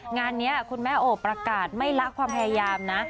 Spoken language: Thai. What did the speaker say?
งานนี้คุณแม่โอบประกาศไม่ละความพยายามนะ